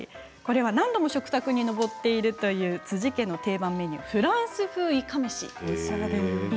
何度も食卓に上っているという辻家の定番メニューおしゃれだな。